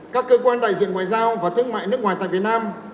các cơ quan đại diện ngoại giao và thương mại nước ngoài tại việt nam